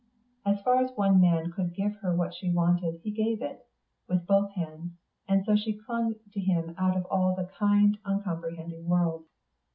As far as one man could give her what she wanted, he gave it, with both hands, and so she clung to him out of all the kind, uncomprehending world.